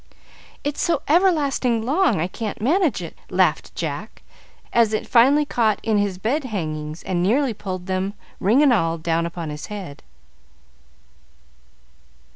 "It's so everlasting long, I can't manage it," laughed Jack, as it finally caught in his bed hangings, and nearly pulled them, ring and all, down upon his head.